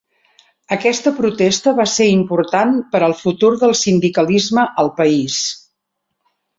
Aquesta protesta va ser important per al futur del sindicalisme al país.